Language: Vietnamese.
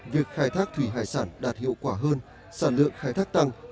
việc khai thác thủy hải sản đạt hiệu quả hơn sản lượng khai thác tăng